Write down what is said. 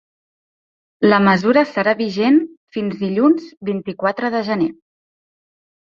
La mesura serà vigent fins dilluns, vint-i-quatre de gener.